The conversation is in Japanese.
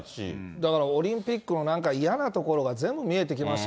だからオリンピックの嫌なところが、全部見えてきました。